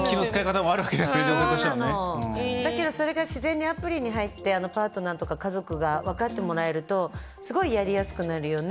だけどそれが自然にアプリに入ってパートナーとか家族が分かってもらえるとすごいやりやすくなるよね。